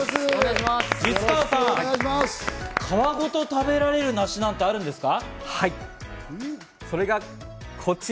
實川さん、皮ごと食べられる梨なんてあるんですか？